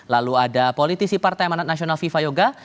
lalu ada politisi partai manat nasional fifa yoga